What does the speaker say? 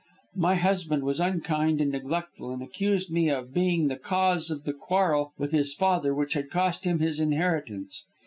My husband was unkind and neglectful, and accused me of being the cause of the quarrel with his father which had cost him his inheritance.